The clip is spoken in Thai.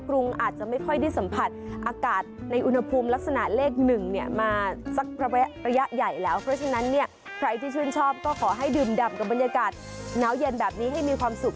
บรรยากาศน้าเย็นแบบนี้ให้มีความสุข